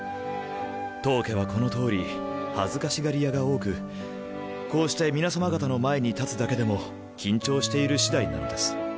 当家はこのとおり恥ずかしがり屋が多くこうして皆様方の前に立つだけでも緊張しているしだいなのです。